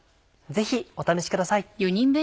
ぜひお試しください。